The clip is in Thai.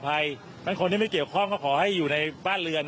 เพราะที่ถึงคนไม่เกี่ยวข้องขอให้อยู่ในบ้านเรือน